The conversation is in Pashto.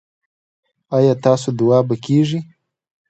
ایا ستاسو دعا به کیږي؟